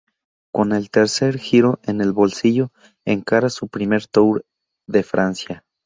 Con el tercer Giro en el bolsillo, encara su primer Tour de Francia.